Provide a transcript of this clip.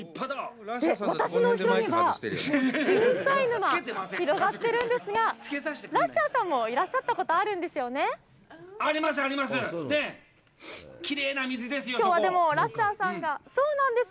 私の後ろにはジュンサイ沼が広がってるんですが、ラッシャーさんも、いらっしゃったことがあるんですよね？あります、あります。